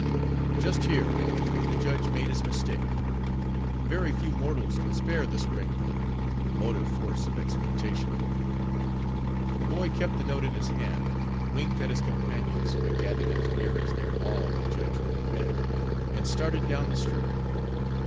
Just here, however, the judge made his mistake. Very few mortals can spare the spring of hope, the motive force of expectation. The boy kept the note in his hand, winked at his companions, who had gathered as near as their awe of the judge would permit, and started down the street.